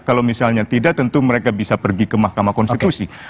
kalau misalnya tidak tentu mereka bisa pergi ke mahkamah konstitusi